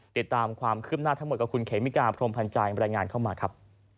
ติดตามความคืบหน้าทั้งหมดกับคุณเขมิกาพรมพันธ์ใจบรรยายงานเข้ามาครับ